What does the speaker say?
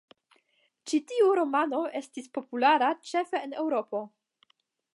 Ĉi tiu romano estis populara ĉefe en Eŭropo.